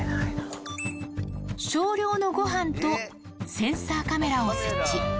少量のごはんと、センサーカメラを設置。